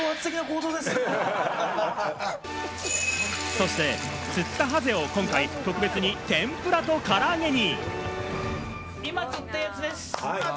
そして釣ったハゼを今回特別に天ぷらと、からあげに！